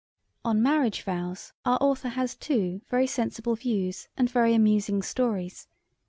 On marriage vows our author has, too, very sensible views and very amusing stories.